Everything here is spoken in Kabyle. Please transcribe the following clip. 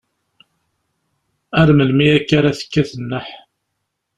Ar melmi akka ara tekkat nneḥ?